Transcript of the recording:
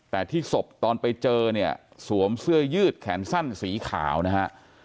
แต่ที่ศพตอนไปเจอเนี่ยสวมเสื้อยืดแขนสั้นสีขาวนะฮะ